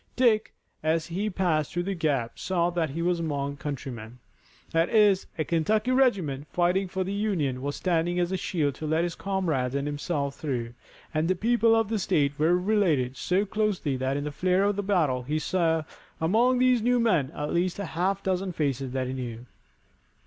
Dick, as he passed through the gap, saw that he was among countrymen. That is, a Kentucky regiment, fighting for the Union was standing as a shield to let his comrades and himself through, and the people of the state were related so closely that in the flare of the battle he saw among these new men at least a half dozen faces that he knew.